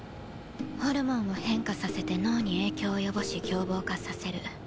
ホルモンを変化させて脳に影響を及ぼし凶暴化させる。